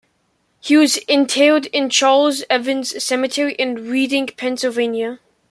He was interred in Charles Evans Cemetery in Reading, Pennsylvania.